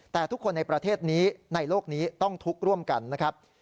แต่ทุกคนในประเทศนี้ในโลกนี้ต้องทุกข์ร่วมกันนะครับ